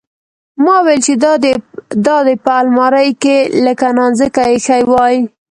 ما ويل چې دا دې په المارۍ کښې لکه نانځکه ايښې واى.